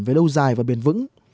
về lâu dài và biển vững